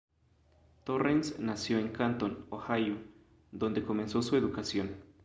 Torrence nació en Canton, Ohio dónde comenzó su educación.